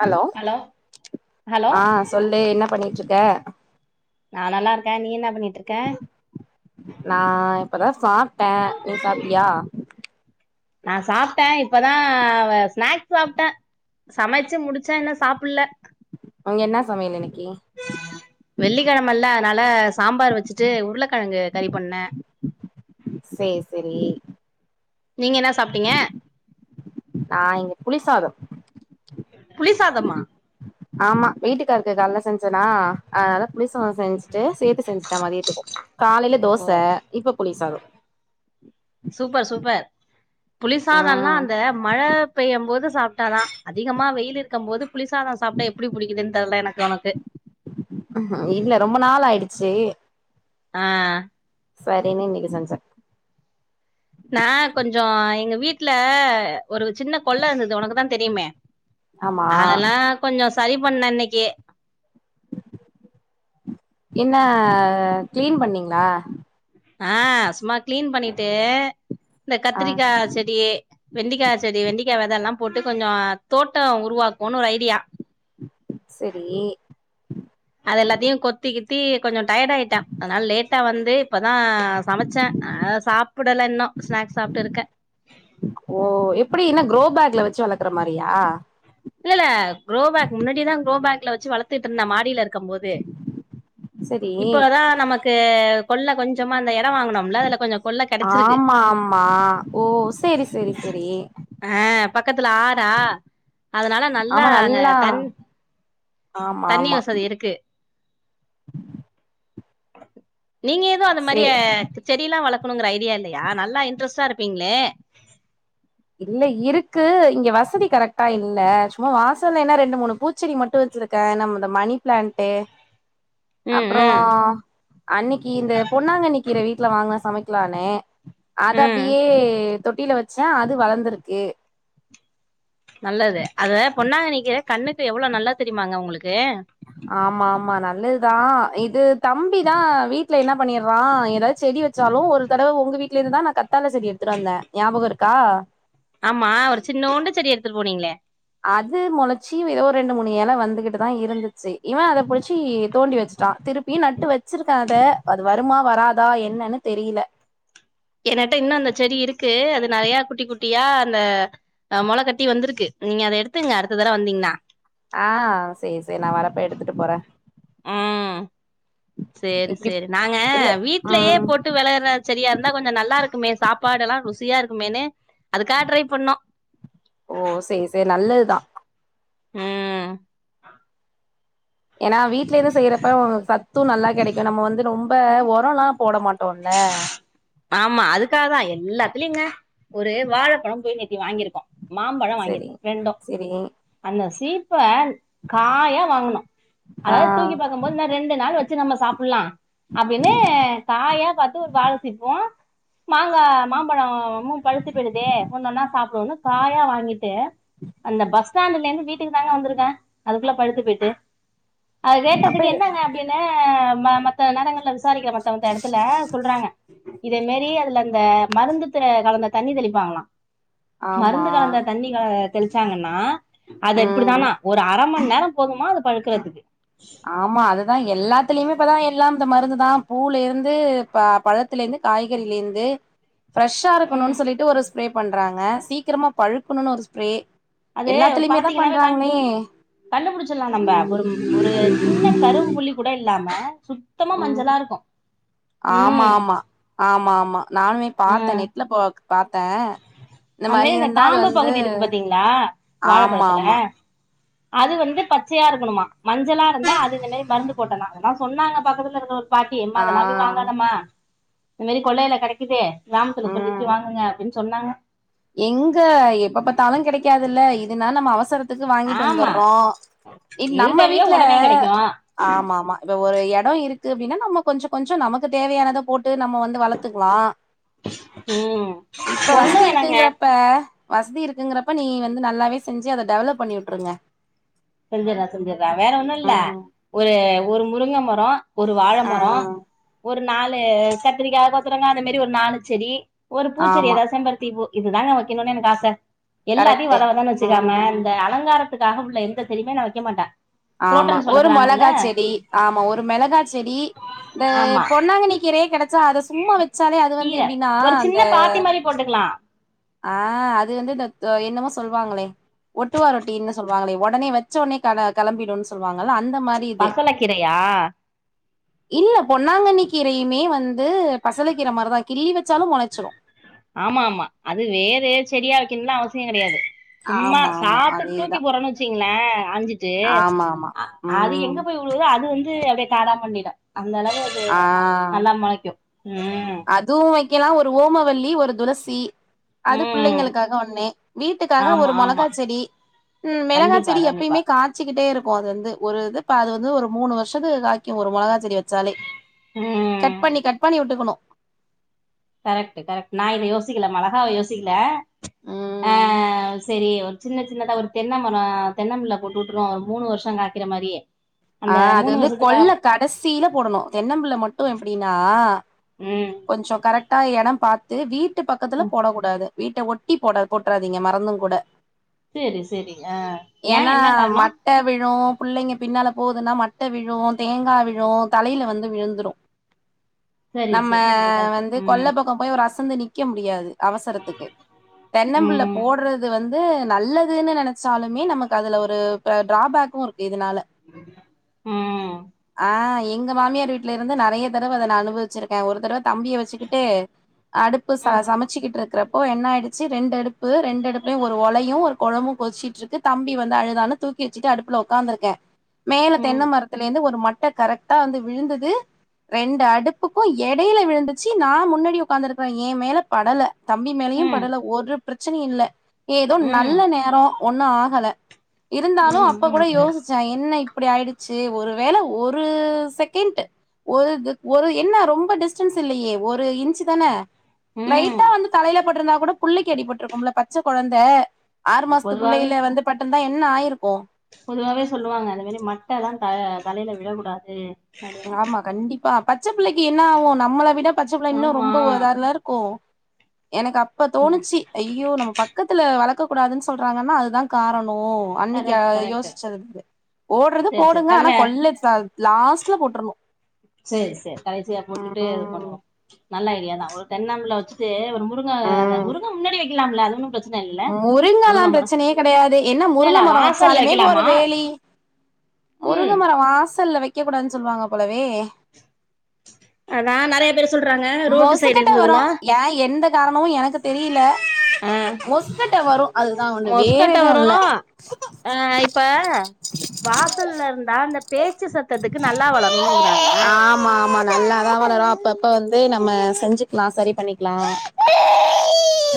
Hello hello ஆ சொல்லு என்ன பண்ணிட்ருக்க நா நல்லாருக்க நீ என்ன பண்ணிட்ருக்க நா இப்பதா சாப்ட்ட நீ சாப்ட்டியா நா சாப்ட்ட இப்பதா வ ஸ்நாக் சாப்ட்ட சமைச்சு முடிச்சா இன்னு சாப்பில்ல அங்க இன்னா சமையல் இன்னிக்கி வெள்ளிக்கெழமல்ல அதனால சாம்பார் வச்சுட்டு உருளக்கெழங்கு கறி பண்ண சேர் செரி நீங்க என்ன சாப்பிட்டீங்க நா இங்க புளிசாதோ புளி சாதமா ஆமா வீட்டுக்காருக்கு கால்ல செஞ்சனா அதனால புளிசாதம் செஞ்சுட்டு சேத்து செஞ்சுட்ட மதியதுக்கு காலைல ஓ தோச இப்ப புளி சாதம் சூப்பர் சூப்பர் புளிசாதல்லா ம் அந்த மழ பெய்யும் போது சாப்ட்டாதா அதிகமா வெயில் இருக்கும் போது புளிசாதம் சாப்ட்டா எப் டி புடிக்குதுன் தெர்ல எனக்கு ஒனக்கு இல்ல ரொம்ப நாள் ஆயிடுச்சு ஆ சரின்னு இன்னைக்கு செஞ்ச நா கொஞ்சோ எங்க வீட்ல ஒரு சின்ன கொல்ல இருந்தது ஒனக்கு தா தெரியுமே ஆமா அதெல்லா கொஞ்சோ சரி பண்ண இன்னைக்கு என்னா கிளீன் பண்ணீங்ளா ஆ சும்மா கிளீன் பண்ணிட்டு இந்த ஆ கத்திரிக்கா செடி வெண்டிக்கா செடி வெண்டிக்கா வெதல்லா போட்டு கொஞ்சோ தோட்டோ உருவாக்குன் ஒரு ஐடியா செரி அது எல்லாத்தையும் கொத்தி கித்தி கொஞ்சம் டயர்டா ஆயிட்ட அதனால லேட்டா வந்து இப்ப தா சமச்ச அன்னால சாப்பிடல இன்னு ஸ்நாக்ஸ் சாப்ட்டு இருக்க ஓ எப்பிடி இன்ன குரோ பேக்ல வச்சு வளக்குற மாரியா இல்லல்ல குரோ பேக் முன்னடி தா குரோ பேக்ல வச்சி வளத்துட்ருந்தா மாடிலருக் க்கும் போது சரி இப்பல தா நமக் கு கொள்ள கொஞ்சமா அந்த எடம் வாங்கனும்ல அதுல கொஞ்சம் ஆமாமா ஓ சேரி செரி செரி ஆ பக்கத்துல ஆறா அதனால நல்லா அங்க தன் ஆமா தண்ணி ஆமா வசதி இருக்கு நீங்க எதும் அந்த சே மாரிய செடில்லா வளக்கணுங்கிற ஐடியா இல்லையா நல்லா இன்ட்ரெஸ்ட்டா இருப்பீங்ளே இல்ல இருக்கு இங்க வசதி கரெக்ட்டா இல்ல சும்மா வாசலேன்னா ரெண்டு மூணு பூச் ச்செடி மட்டு வச்சிருக்க நம் இந்த மணி பிளான்ட்டு ம் அப்புறோ ம் அன்னைக்கி இந்த பொன்னாங்கன்னிக்கீர வீட்ல வாங்னோ சமைக் க்லான்னு அத ம் அப்டியே தொட்டில வச்ச அது வளந்துருக்கு நல்லது அத பொன்னாங்கன்னிகீர கண்ணுக்கு எவ்ளோ நல்லது தெரிமாங்க உங்குளுக்கு ஆமா ஆமா நல்லதுதா இது தம்பிதா வீட்ல என்ன பண்ணிறா எதாவ்து செடி வச் ச்சாலு ஒரு தடவ உங்க வீட்ல இருந்துதா நா கத்தால செடி எடுத்துட்டு வந்த ஞாபகம் இருக்கா ஆமா ஒரு சின்னோண்டு செடி எடுத்துட் போனீங்ளே அது மொளச்சு எதோ ரெண்டு மூணு எல வந்துகிட்டு தா இருந்துச்சு இவ அத புடிச்சு தோண்டி வச்சுட்டா திருப் ப்பி நட்டு வச்சிருக்கா அத அது வருமா வராதா என்னன்னு தெரியில என்னட்ட இன்னு அந்த செடி இருக்கு அது நெறைய குட்டி குட்டியா அந்த அ மொள கட்டி வந்திருக்கு நீங்க அத எடுத்துங்க அடுத்த தடவ வந்தீங்ன்னா ஆ செர் செரி நா வரப்ப எடுத்துட்டு போற ம் சேரி இப்டி சேரி நாங்க இல்ல வீட்லயே ம் போட் டு வெளைற செடியா இருந்தா கொஞ்சம் நல்லா இருக்குமே சாப்பாடெல்லா ருசியா இருக்குமேனு அதுக்காக ட்ரை பண்ணோ இது நல்லதுதா ம் ஏன்னா வீட்ல இருந்து செய்யறப்ப சத்தூ நல்லா கெடைக்கூ நம்ம வந்து ரொம்ப ஒரொல்லா போட மாட் டோல்ல ஆமா அதுக்காக தா எல்லாத்துலயுங்க ஒரு வாழப்பழம் போய் நேத்தி வாங்கிருக்கோ மாம்பழொ சரி வாங்கிருக்கோ ரெண்டூ சரி அந்த சீப்ப காயா வாங்குணோ ஆ அதாவ்து தூக்கி பாக்கம்போது இன்ன ரெண்டு நாள் வச்சு நம்ம சாப்புல்லா அப்டின்னு காயா பாத்து ஒரு வாழ சீப்போ மாங்கா மாம்பழொமு பழுத்து போய்டுதே ஒண்ணொன்னா சாப்டுவோன்னு காயா வாங்கிட்டே அந்த பஸ் ஸ்டாண்டுலேந்து வீட்டுக்கு தாங்க வந்திருக்கே அதுக்குள்ள பழுத்து பேய்ட்டு அது அப்ப கேட்டதுக்கு என்னங்க அப்டின்னு ம மத்த நேரங்கள்ல விசா விசாரிக்கிற மத்த மத்த எடத்துல சொல்றாங்க இதமேரி அதுல அந்த மருந்து கலந்த தண்ணி தெளிப்பாங்களா ஆமா மருந்து கலந்த தண்ணிகள தெளிச்சாங்கன்னா அது ம் இப்டிதானா ஒரு அர மண் நேரோ போதுமா அது பழுக்கறதுக்கு ஆமா அதுதா எல்லாத்துலயுமே இப்பதா எல்லாம் இந்த மருந்து தா பூவுலேருந்து ப பழத் த்துலேருந்து காய்கறிலேருந்து ஃப்ரெஷ்ஷா இருக்கணுன் சொல்லிட்டு ஒரு ஸ்ப்ரே பண்றாங்க சீக்கிரமா பழுக்குணுன் ஒரு ஸ்ப்ரே அது எல்லாத்துலயுமே தா பாத்தீங்கன்னாவே கண் பண்றாங்களே கண்டுபுடிச்சில்லா நம்ப ஒரு ஒரு சின்ன கரும் புள்ளி கூட இல்லாம சுத் ம் ஆமா ம் ஆமா ஆமா ஆமா நானுமே பாத்தே நெட்ல போ பாத்த அந் மேரி இந்த காம்பு பகுதி இருக்கு பாத்தீங்ளா ஆமா வாழப்பழத்துல ஆமா அது வந்து பச்சையா இருக்கணுமா மஞ்சளாருந்தா அது இந்த மாரி மருந்து போட்டதா அதல்லா சொன்னாங்க பக்கத்துல இருக்கிறவுங்க பாட்டி இனிமே ஆ அதெல்லாம் போய் வாங்காதம்மா இந்த மேரி கொள்ளையில கெடைக்கிது கிராமத்துல ம் சொல்லிட்டு வாங்குங்க அப்படின்னு சொன்னாங்க எங்க எப்ப பாத்தாலு கெடைக்காதுல்ல இதுனா நம்ம அவசரத் த்துக்கு வாங்கிட்டு ஆமா வந்துர்றோ இது எது நம்ம தேவையோ வீட்ல உடனே கிடைக்கும் ஆமாமா இப்ப ஒரு எடொ இருக்கு அப்டின்னா நம்ம கொஞ்சொ கொஞ்சொ நமக்கு தேவையானத போட்டு நம்ம வந்து வளத் க்லா ம் இப்ப ஒண்ணு வசதி இருக் வேணாங்க இப்ப வசதி இருக்குங்கிறப்ப நீ வந்து நல்லாவே செஞ்சு அத டெவலப் பண்ணி வுட்ருங்க செஞ்சுறே செஞ்சுறே வேற ஒன்னு இல்ல ம் ஒரு ஒரு முருங்க மரொ ஒரு வாழ மரொ ம் ஒரு நாலு கத்திரிக்கா கொத்தரங்கா அந்த மேரி ஒரு நாலு செடி ஒரு பூச்செடி ஆமா எதாவ்து செம்பருத்தி பூ இதுதாங்க வைக்கணுனு எனக்கு ஆச எல்லாத்தையு கரெக்ட்டு வத வதன்னு வச்சுக்காம ம் இந்த அலங்காரத்துக்காக உள்ள எந்த செடியுமே நா வைக்க மாட்ட ஆமா ஒரு மொளகா செடி ஆமா ஒரு மெளகா செடி இந்த ஆமா பொன்னாங்கன்னி கீரய கெடைச்சா அத சும்மா வெச்சாலே அது வந்து எப்டின்னா அந்த போட்டுக்லா ஆ அது வந்து இந்த என்னமோ சொல்வாங்களே ஒட்டுவாரொட்டின்னு சொல்வாங்களே ஒடனே வச்ச ஒட்னே கள கெளம்பிடுன்னு சொல்லுவாங்கள அந்த மாரி இது பசலக்கீரையா இல்ல பொன்னாங்கண்ணி கீரையுமே வந்து பசல கீர மார்தா கிள்ளி வச்சாலும் மொளச்சிரும் ஆமா ஆமா அது வேறு செடியா வைக்கண்லா அவசியோ கெடையாது சும்மா ஆமா ஆமா சாப்ட்டு தூக்கி அதேதா போறேன்னு வச்சீங்ளே அழ்ஞ்சிட்டு ஆமா ஆமா அது ம் எங்க போய் விழுதோ அது வந்து அப்டியே காடா மாறிடு அந்த அளவு அது ஆ நல்லா மொளைக்கும் அ அதுவு வைக்கலா ஒரு ஓமவல்லி ஒரு துளசி அது ம் பிள்ளைங்களுக்காக ஒண்ணு வீட்டுக்காக ஆமா ஒரு ஆமா மொளகா செடி மெளகா கண்டிப்பா செடி கண்டிப்பா எப்பயுமே காச் வச்சுக்கிட்டே இருக்கோ அது வந்து ஒரு இ அது வந்து ஒரு மூணு வருஷத்து காய்கும் ஒரு மொளகா செடி பண்ணி ம் கட் பண்ணி கட் பண்ணி விட்டுக்கணும் கரெக்ட் கரெக்ட் நா இத யோசிக்கல மெளகாவை யோசிக்கல ம் ஆ செரி சின்ன சின்னதா ஒரு தென்னமரம் தென்னம்பிள்ள போட்டு விட்டுருவோம் ஒரு மூணு வருஷோம் காய்கிற மாதிரி அ அது வந்து கொள்ள கடஸ் சீல போடணும் தென்னம்புள்ள மட்டும் எப்டின்னா ம் கொஞ்சோ கரெக்ட் கட்ட எடம் பாத்து வீட்டு பக்கத்துல ம் போடக் கூடாது வீட்ட ஒட்டி போட போட்டுறாதீங்க மறந்தும் கூட சேரி சேரி ஆ ஏ ஏன்னா என்ன காரணோ மட்ட விழும் பிள்ளைங்க பின்னால போகுதுன்னா மட்ட விழு தேங்கா விழு தலையில வந்து விழுந்துடு சரி நம்ம சரி சரி கரெக்ட் வந்து கொல்ல ம் பக்கம் போய் ஒரு அசந்து நிக்க முடியாது அவசரத்துக்கு தென்னம்புள்ள ம் போடுறது வந்து க்கு நல்லதுன்னு நெனச்சாலுமே நமக்கு அதுல ஒரு டிராபேக்கும் இருக்கு இதுனால [inaudible] ம் ஆ எங்க மாமியார் வீட்ல இருந்து நெறைய தடவ அத நா அனுபவி வச்சிருக்கே ஒரு தடவ தம்பிய வச்சுக்கிட்டு அடுப்பு ச ம் சமைச்சிக்கிட்டு இருக்குறப் இப்ப என்ன ஆச்சு ரெண்டுஅடுப்பு ரெண்டு அடுப்புலையும் ஒரு ஒலையும் ஒரு கொழம்பும் கொதிச்சிட்டு இருக்கு தம்பி வந்து அழுதானு தூக்கி வச்சுட்டு அடுப்புல உக்காந்துருக்கேன் மேல தென்ன ம் மரத்துல இருந்து ஒரு மட்டை கரெக்டா வந்து விழுந்தது ரெண்டு அடுப்புக்கும் எடையில விழுந்துச்சு நா முன்னாடி ஒக்காந்துருக்றே எ மேல படல தம்பி மேலயும் ம் படல ஒரு பிரச்சனையும் இல்ல ஏதோ ம் நல்ல நேரம் ஒண்ணும் ஆகல இருந்தாலும் ம் அப்ப கூட ம் யோசிச்சேன் என்ன இப்டி ஆயிடுச்சு ஒருவேள ஒரு செகண்ட் ஒரு இதுக் ஒரு என்ன ரொம்ப டிஸ்டன்ஸ் இல்லயே ஒரு இன்ச் தான ம் லைட்டா வந்து தலையில பட்ருந்தா கூட புள்ளைக்கு அடிபட்ருக்கோம்ல பச்ச கொழந்தை ஆறு மாசத்து பொதுவாவே பிள்ளைல வந்து பட்ருந்தா என்ன ஆயிருக்கும் பொதுவாவே சொல்லுவாங்க அந்த மாரி மட்டல த தலையில விழக்கூடாது அப்டின்னு ஆமா கண்டிப்பா பச்சப்பிள்ளைக்கு என்ன ஆகும் நம்மள விட பச்சைப்பிள்ள இன்னு ஆமா ரொம்ப உதார்ல இருக்கும் எனக்கு அப்ப ம் தோணுச்சு ஐயோ நம்ம பக்கத்துல வளக்க கூடாதுன்னு சொல்றாங்கன்னா அதுதா காரணோ அன்னைக்கு கரெக்ட் கரெக்ட் யோசிச்சது இது ஓடுறது சேரி சேரி போடுங்க ஆனா கல்ல கொள்ள லாஸ்ட்ல போட்ரணு சேரி சேரி கடைசியா போட்டுட்டு இது ம் பண்ணுவோம் நல்ல ஐடியா தா ஒரு தென்னம்பிள்ள வச்சுட்டு முருங்க ம் முருங்க முன்னாடி வக்கலாம்ல அது ஒன்னும் பிரச்ச முருங்கல்லா பிரச்சனையே கெடையாது என்ன இல்ல இல்ல முருங்கை மரம் வாசல்ல வச்சாலுமே ஒரு வைக்கலாமா வேலி முருங்க ம் மரோ வாசல்ல வக்க கூடாதுன்னு சொல்லுவாங்க போலவே அதான் நெறைய பேர் சொல்றாங்க ரோட்டு சைடு இருந்ததுன்னா ஏ எந்த காரணமும் எனக்கு தெரில ஆ மொசுகட்ட வரும் அதுதா ஒண்ணு வேற மொஸ்கட்ட எதுவும் வரு இல்ல ஆ இப்ப வாசல்ல இருந்தா அந்த பேச்சு சத்தத்துக்கு நல்லா வளருங்கிறாங்க ஆமா ஆமா நல்லாதான் வளரும் அப்பப்ப வந்து நம்ம செஞ்சுக்கலாம் சரி பண்ணிக்கலாம்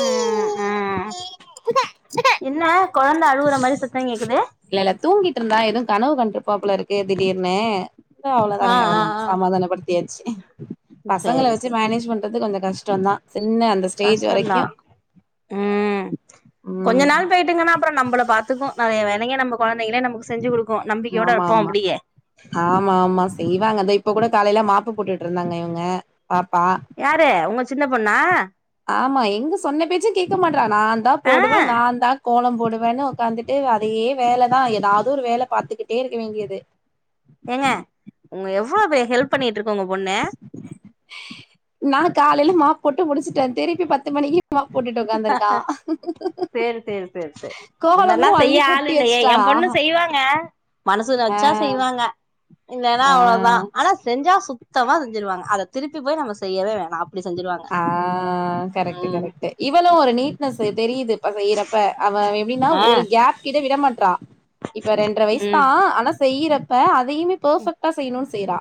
ம் ம் என்ன கொழந்த அழுவுற மாரி சத்த கேக்குது இல்ல இல்ல தூங்கிட்ருந்தா எதுவு கனவு கண்டுருப்பா போல இருக்கு திடீர்னு தா அவள ஆ தானே ஆ [unintelligible] ஆ சமாதானப்படுத்தியாச்சு பசங்கள சேரி வச்சு சேரி மேனேஜ் பண் ல்லத்துக்கு கொஞ்ச கஷ்டோந்தா சின்ன அந்த ஸ்டேஜ் கஷ்டோந்தா வரைக்கும் ம் கொஞ்ச உம் நாள் போயிடுங்னா அப்பற நம்பள பாத்துக்கு நறைய வேலைய நம்ப கொழந்தைகலே நமக்கு செஞ்சு குடுக்கு நம்பிக்கையோட ஆமா இருப்போ ஆமா அப்டியே ஆமா ஆமா செய்வாங்கத இப்ப கூட காலையில மாப்பு போட்டுட் இருந்தாங்க இவங்க பாப்பா யாரு உங்க சின்ன பொண்ணா ஆமா எங்க சொன்ன பேச்சு கேட்க மாட்றா நா தா ஆ போடுவே நா தா கோலோ போடுவேன்னு உகாந்துட்டு அதே வேலதான் உக்காந்துட்டு இவ அதையே வேல தா ஏதாவது ஒரு வேல பாத்துக்கிட்டே இருக்க வேண்டியது ஏங்க உங்க எவ்ளோ பே ஹெல்ப் பண்ணிட்ருக்கு உங்க பொண்ணு நா காலயில மாப் போட்டு முடிச்சுட்டே திருப்பி பத்து மணிக்கி மாப் போட்டுட்டு உக்காந்துருக்கா சேரி சேரி சேரி சேரி இந்த கோலலமு மாரிலா செய்ய அள்ளி ஆள் கொட்டி இல்லையே வச்ட்டா என் பொண்ணு செய்வாங்க மனசுல வச்சா செய்வாங்க இல்லன்னா ஆ அவ்ளோதா ஆனா செஞ்சா சுத்தமா செஞ்சுருவாங்க அத திருப்பி போய் நம்ம செய்யவே வேணா அப்டி செஞ்ருவாங்க ஆ கரக்ட்டு கரக்ட்டு இவளு ஒரு நீட்னஸ் தெரியுது பச செய்றப்ப அவ எப்டின்னா ஆ ஒரு கேப் கிட்ட விட மாட்றா இப்ப ரெண்டர வய்ஸ் தா ம் ஆனா செய்யறப்ப அதையுமே பர்ஃபெக்டா செய்ணுன் செய்றா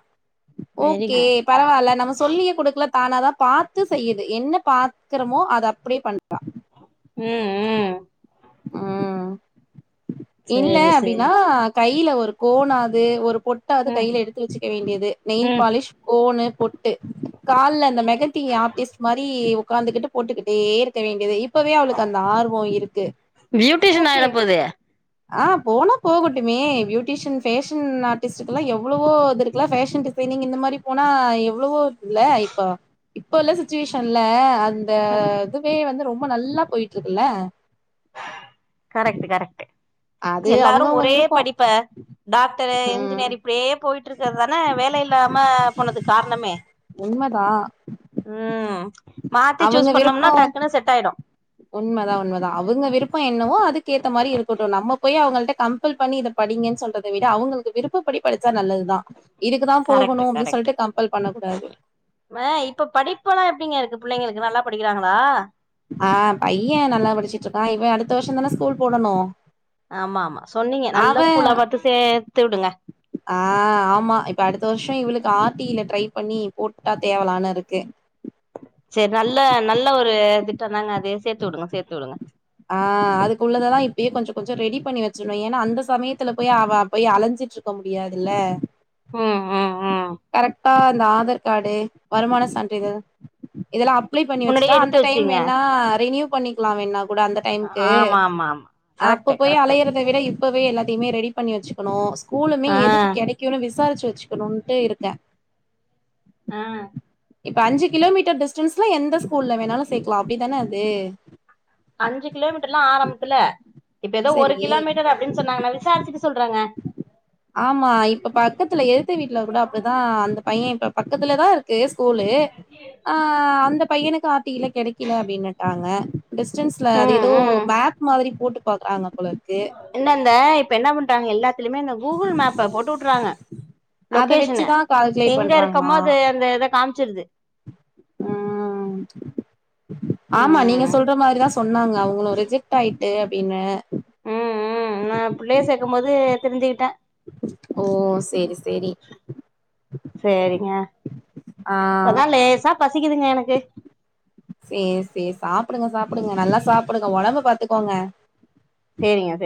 வெரி ஓகே குட் பரவால்ல நம்ம சொல்லியே கொடுக்கல தானா தா பாத் த்து செய்யுது என்ன பாக்கறோமோ அத அப்டியே பண்றா ம் ம் ம் இல்ல சேரி அப்டின்னா சேரி கைல ஒரு கோனாது ஒரு பொட் டாது ம் கைல எடுத்து வச்சுக்க வேண்டியது நெயில் ம் பாலிஷ் கோனு பொட் டு கால்ல அந்த மெஹந்தி ஆர்டிஸ்ட் மாரி உக்கார்ந்துகிட்டு போட்டுக்கிட்டே இருக்க வேண்டியது இப் பவே அவளுக்கு அந்த ஆர்வோ இருக்கு பியூட்டிஷின் ஓகே ஆயிட போது ஆ போனா போகட்டுமே பியூட்டீஷின் ஃபேஷன் ஆர்டிஸ்டுக்கல்லா எவ்வளவோ இது இருக்கல ஃபேஷன் டி டிசைனிங் இந்த மாரி போனா எவ்ளளோ இருக்குல்ல இப்ப இப்பல்ல சுட்ச்சிவேஷன்ல அந்த இதுவே வந்து ரொம்ப நல்லா போயிட்ருக்குல்ல கரக்ட்டு கரக்ட்டு அது எல்லாரு அவங்கவுங்க ஒரே விருப்போ படிப்ப டாக்டரு இ ம் ன்ஜினியர் இப் டியே போயிட்டுருக்கிறது தான வேலை இல்லாம போனதுக் கார்ணமே உண்மதா ம் மாத்தி அவங்க சூஸ் விருப்போ பண்ணோம்னா டக்குனு செட் ஆயிடு உண்மதா உண்மதா அவுங்க விருப்ப என்னவோ அதுக்கேத்த மாரி இருக்கட்டு நம்ம போய் அவுங்கள்ட கம் ப்பல் பண்ணி இத படிங்கன் சொல்றத விட அவுங்களுக்கு விருப்பப்படி படிச்சா நல்லதுதா இதுக்குதா கரெக்ட் போகணு அப்டி சொல்ட்டு கம்பல் பண்ண கூடாது மே இப்ப படிப்பல்லா எப்டிங்க இருக்கு புள்ளைங்களுக்கு நல்லா படிக்கிறாங்களா ஆ பைய நல்லா படிச்சிட் இருக்கா இவ அடுத்த வர்ஷந்தானே ஸ்கூல் போடணு ஆமா ஆமா சொன்னீங்க நல்ல அவன் ஸ்கூல்லா பாத்து சேத்துடுங்க ஆ ஆமா இப்ப அடுத்த வர்ஷ இவ்ளுக்கு ஆர்டில ட்ரை பண்ணி போட்டா தேவலான்னு இருக்கு செரி நல்ல நல்ல ஒரு திட்டந்தாங்க அது சேத்து வுடுங்க சேத்து வுடுங்க ஆ அதுக்குள்ளததா இப்பயே கொஞ்சோ கொஞ்சோ ரெடி பண்ணி வச்சிருணு ஏனா அந்த சமயத்துல போய் அவ போய் அலைஞ்சிட்டு ரு போ முடியாதுல ம் ம் ம் கரெக்டா அந்த ஆதார் கார்டு வருமான சான்றிதழ் இதெல்லா அப் ப்ளே பண்ணி வச்சுட்டா முன்னாடியே அந்த எடுத்து டைம் வச்சீங்க வேணா ரேனியூ பண்ணிக்கலா வேணா கூட அந்த டைம்க்கு ஆமா ஆமா ஆமா கரெக்ட் அப்ப போய் கரெக்ட் அலையறத விட இப் இப்பவே எல்லத்தையுமே ரெடி பண்ணி வச்சுக்கணு ஸ்கூலுமே ஆ எதுக்கு கெடைக்குனு விசாரிச்சு வச்சுக்கணுட்டு இருக் த அ இப்ப அஞ்சு கிலோமீட்டர் டிஸ்டன்ஸ்ல எந்த ஸ்கூல்ல வேணாலு சேக்கலா அப்டிதான அது அஞ்சு கிலோமீட்டர் ல்லா ஆரம்பத்துல இப்ப எதோ ஒரு சரி. கிலோமீட்டர் அப்டின்னு சொன்னாங்க நா விசாரிச்சுட்டு சொல்றேங்க ஆமா இப்ப பக்கத்துல எதுத்த வீட்ல கூட அப்டிதா அந்த பையே இப்ப பக்கத்துலதா ருக் கு ஸ்கூலு ஆ அந்த பையனுக்கு ஆர் டி ல கெடைக்கல அப்டின்னுட்டாங்க டிஸ்டன்ஸ்ல அது ம் எதோ ம் மேப் மாதிரி போட்டு பாக்குறாங்க போல இருக்கு என்ன இந்த இப்ப என்ன பண்டாங்க எல்லாத்துலயுமே அந்த கூகுள் மேப்ப போட்டு வுட்டுறாங்க அத லொகேஷனு வச்சுதா கால்குலேட் எங்க பண்றாங்களா இருக்கமோ அது அந்த இத காமிச்சிருது ம் ஆமா நீங்க ம் சொல்ற மாரி தா ஸ் சொன்னாங்க அவுங்களு ரிஜெக்ட் ஆயிட்டு அப்டின்னு ம் ம் நா புள்ளைய சேக்கு போது தெரிஞ்சுக்கிட்டே ஓ சேரி சேரி சேரிங்க ஆ இப்பதா லேசா பசிக்குதுங்க எனக்கு சேரி சேரி சாப்பிடுங்க சாப்பிடுங்க நல்லா சாப்பிடுங்க ஒடம்ப பாத்துக்கோங்க சேரிங்க சேரி